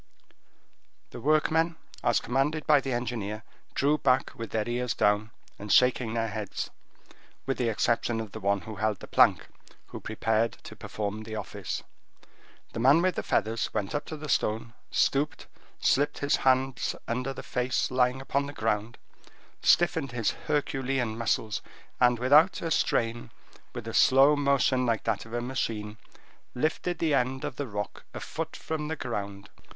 The workmen, as commanded by the engineer, drew back with their ears down, and shaking their heads, with the exception of the one who held the plank, who prepared to perform the office. The man with the feathers went up to the stone, stooped, slipped his hands under the face lying upon the ground, stiffened his Herculean muscles, and without a strain, with a slow motion, like that of a machine, lifted the end of the rock a foot from the ground.